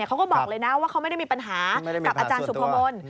เขาบอกเลยนะว่าเขาไม่ได้มีปัญหากับอาจารย์สุพมนต์